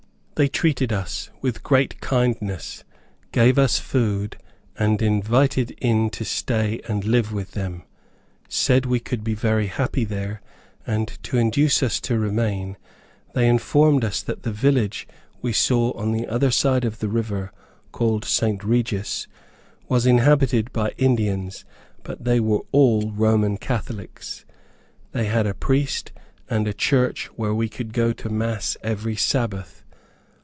They treated us with great kindness, gave us food, and invited in to stay and live with them; said we could be very happy there, and to induce us to remain, they informed us that the village we saw on the other side of the river, called St. Regis, was inhabited by Indians, but they were all Roman Catholics. They had a priest, and a church where we could go to Mass every Sabbath.